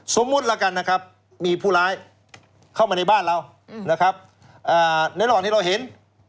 ละกันนะครับมีผู้ร้ายเข้ามาในบ้านเรานะครับในระหว่างที่เราเห็น